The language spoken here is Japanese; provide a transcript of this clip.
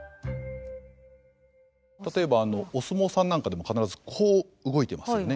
例えばお相撲さんなんかでも必ずこう動いてますよね。